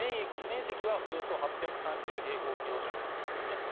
面積はおよそ８３０平方キロメートルです。